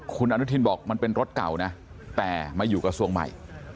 คุณอนุทินบอกมันเป็นรถเก่านะแต่มาอยู่กระทรวงใหม่